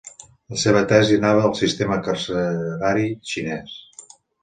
La seva tesi anava del sistema carcerari xinès.